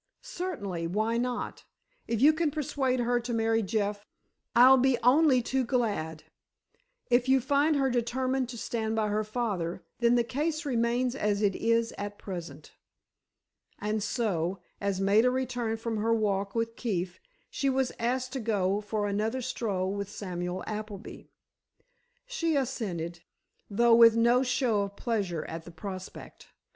"Certainly. Why not? If you can persuade her to marry Jeff, I'll be only too glad. If you find her determined to stand by her father, then the case remains as it is at present." And so, as Maida returned from her walk with Keefe, she was asked to go for another stroll with Samuel Appleby. She assented, though with no show of pleasure at the prospect.